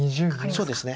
そうですね